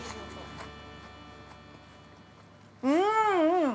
◆うん！